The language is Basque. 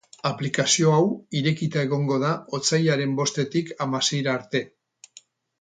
Aplikazio hau irekita egongo da otsailaren bostetik hamaseira arte.